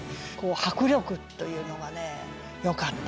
迫力というのがよかった。